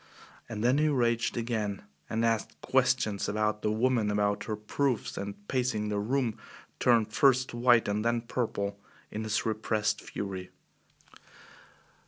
And then he raged again and asked questions about the woman, about her proofs, and pacing the room, turned first white and then purple in his repressed fury.